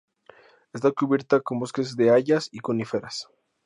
Está cubierta con bosques de hayas y coníferas.